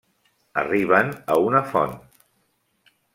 Arriben a una font.